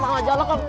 uang majalah kak